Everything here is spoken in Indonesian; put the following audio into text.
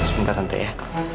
semoga tante ya